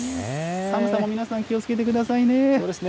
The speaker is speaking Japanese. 寒さも皆さん、気をつけてくださいね。